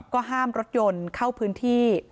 ก็ห้ามรถยนต์เข้าพื้นที่